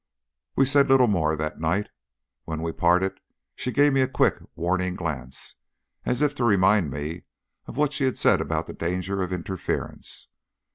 We said little more that night. When we parted she gave me a quick, warning glance, as if to remind me of what she had said about the danger of interference.